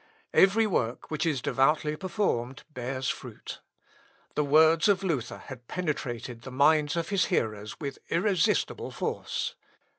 Every work which is devoutly performed bears fruit. The words of Luther had penetrated the minds of his hearers with irresistible force.